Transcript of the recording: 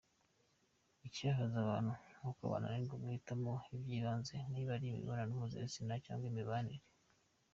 Ikibabaza abantu nuko bananirwa guhitamo ibyibanze niba ari imibonano mpuzabitsina cyangwa imibanire.